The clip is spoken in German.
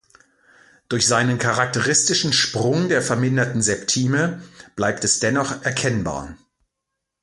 Durch seinen charakteristischen Sprung der verminderten Septime bleibt es dennoch erkennbar.